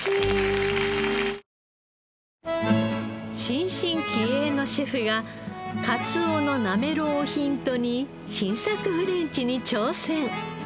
新進気鋭のシェフがかつおのなめろうをヒントに新作フレンチに挑戦。